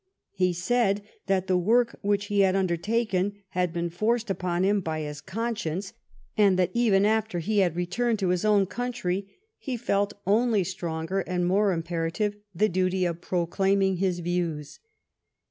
He said that the work which he had undertaken had been forced upon him by his conscience, and that even after he had returned to his own country he felt only stronger and more imperative the duty of proclaiming his views.